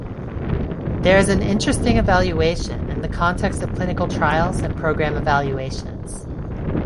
There is an interesting evaluation in the context of clinical trials and program evaluations.